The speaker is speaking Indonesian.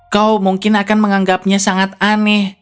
kau mungkin akan menganggapnya sangat aneh